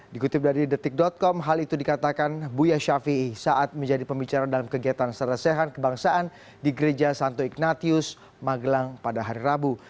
dikutip dari detik com hal itu dikatakan buya ⁇ shafii ⁇ saat menjadi pembicara dalam kegiatan seresehan kebangsaan di gereja santo ignatius magelang pada hari rabu